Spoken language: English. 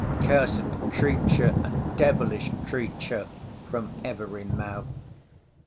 Cursed creature, and devilish creature, from every mouth.